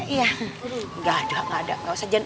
iya gak ada gak ada